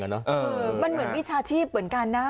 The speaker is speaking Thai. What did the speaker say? มันเหมือนวิชาชีพเหมือนกันนะ